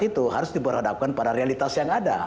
itu harus diperhadapkan pada realitas yang ada